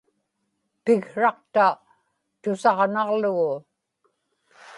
piksraqta tusaġnaġlugu